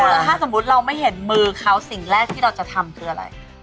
แล้วถ้าสมมุติเราไม่เห็นมือเขาสิ่งแรกที่เราจะทำคืออะไร